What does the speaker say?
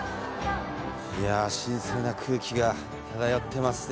いや新鮮な空気が漂ってますね。